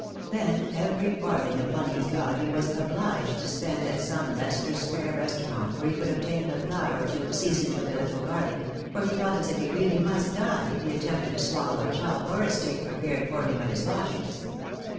Then every farthing of money he got he was obliged to spend at some Leicester square restaurant where he could obtain a plat or two, seasoned with a little garlic, for he felt as if he really must die if he attempted to swallow a chop or a steak prepared for him at Ms lodgings.